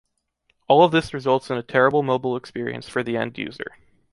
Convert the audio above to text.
All of this results in a terrible mobile experience for the end user.